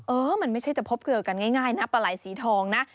เออมันไม่ใช่จะพบเกลือกันง่ายนะปลาไหล่สีทองนะ